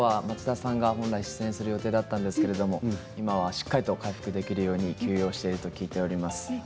町田さんが来る予定だったんですけれども今はしっかり回復するように休養していると聞いています。